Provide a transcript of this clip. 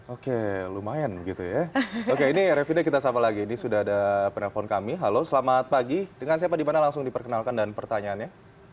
oke lumayan gitu ya oke ini revidenya kita sampai lagi ini sudah ada penelepon kami halo selamat pagi dengan siapa di mana langsung diperkenalkan dan pertanyaannya